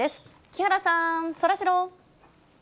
木原さん、そらジロー。